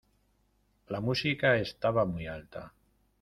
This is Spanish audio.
La música estaba muy alta.